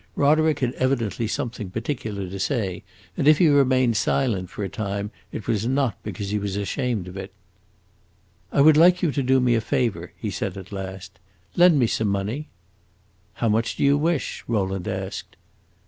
Roderick had evidently something particular to say, and if he remained silent for a time it was not because he was ashamed of it. "I would like you to do me a favor," he said at last. "Lend me some money." "How much do you wish?" Rowland asked.